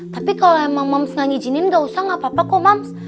tapi kalau emang moms nggak nyejinin nggak usah nggak apa apa kok moms